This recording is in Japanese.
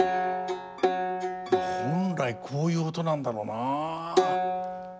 本来こういう音なんだろうな。